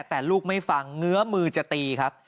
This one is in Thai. แต่ลูกไม่ฟังเงื้อมือจะตีครับ